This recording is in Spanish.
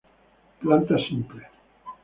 Plantas simples.